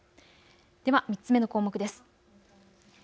では３つ目の項目です。